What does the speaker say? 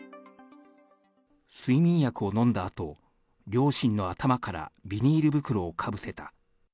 睡眠薬を飲んだあと、両親の頭からビニール袋をかぶせた。